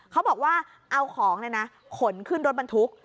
เขาบอกว่าเอาของขนขึ้นรถบรรทุก